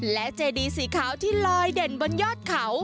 และเจดีสีขาวที่ลอยเด่นบนยอดเขา